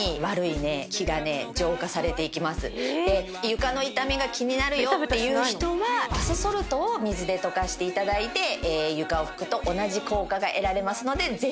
床の傷みが気になるよっていう人はバスソルトを水で溶かしていただいて床を拭くと同じ効果が得られますのでぜひやってみてください。